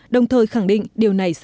đồng thời khẳng định điều này sẽ khả năng